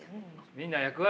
みんな役割。